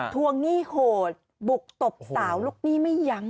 ทวงหนี้โหดบุกตบสาวลูกหนี้ไม่ยั้ง